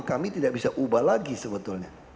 kami tidak bisa ubah lagi sebetulnya